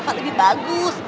sama reva lebih bagus